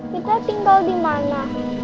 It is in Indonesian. kita tinggal di mana